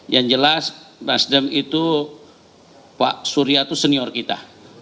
yang jelas nasdem itu pak surya itu senior kita